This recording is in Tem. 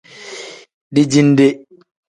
Dijinde.